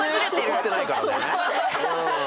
怒ってないからね。